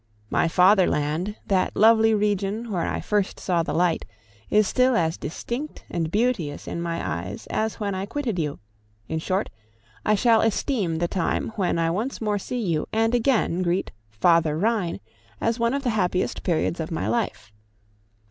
My father land, that lovely region where I first saw the light, is still as distinct and beauteous in my eyes as when I quitted you; in short, I shall esteem the time when I once more see you, and again greet Father Rhine, as one of the happiest periods of my life.